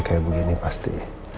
kayak begini pasti